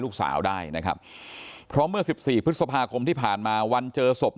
ลูกสาวได้นะครับเพราะเมื่อ๑๔พฤษภาคมที่ผ่านมาวันเจอศพ